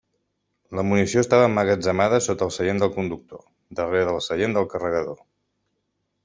La munició estava emmagatzemada sota del seient del conductor, darrere del seient del carregador.